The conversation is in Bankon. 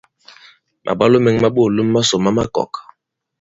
Màbwalo mɛ̄ŋ ma ɓoòlom masò ma makɔ̀k.